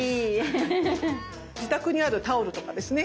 自宅にあるタオルとかですね